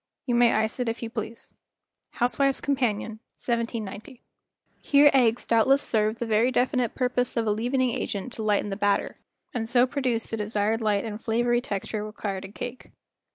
You may ice it if you please" (< Housewife's Companion," 1790. Here eggs doubtless served the very definite purpose of a leaven¬ ing agent to lighten the batter and so produce the desired light and flavory texture required in cake.